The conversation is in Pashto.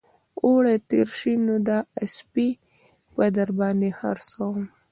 اوړي تېر شي نو اسپې به در باندې خرڅوم